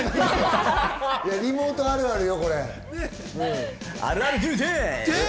リモートあるあるよ。